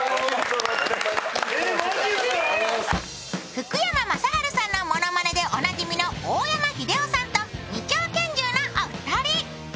福山雅治さんのモノマネでおなじみの大山英雄さんと２丁拳銃のお二人。